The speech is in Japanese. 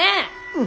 うん。